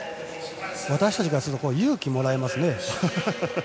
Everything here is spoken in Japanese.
私たちからすると勇気をもらえますね。